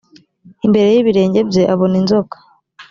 imbere y ibirenge bye abona inzoka